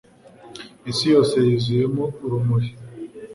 Isi yose yuzuyemo urumuri